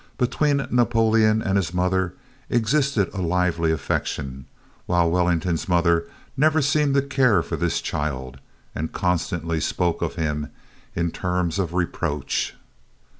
But between Napoleon and his mother existed a lively affection; while Wellington's mother never seemed to care for this child, and constantly spoke of him in terms of reproach.